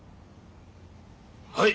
はい！